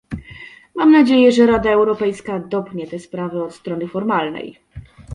Mam nadzieję, że Rada Europejska dopnie tę sprawę od strony formalnej